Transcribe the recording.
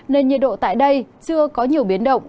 nên nhiệt độ tại đây chưa có nhiều biến động